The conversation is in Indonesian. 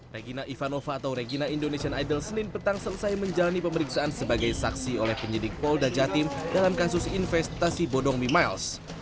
regina ivanova atau regina indonesian idol senin petang selesai menjalani pemeriksaan sebagai saksi oleh penyidik polda jatim dalam kasus investasi bodong mimiles